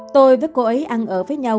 tôi với cô ấy ăn ở với nhau